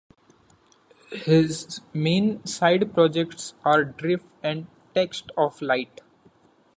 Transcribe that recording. His main side projects are Drift and Text of Light.